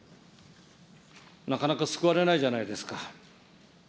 なかなか救われないじゃないですか。